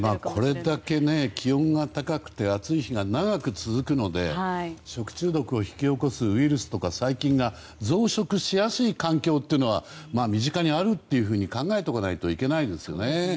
これだけ気温が高くて暑い日が長く続くので食中毒を引き起こすウイルスや細菌が増殖しやすい環境が身近にあると考えておかないといけないですね。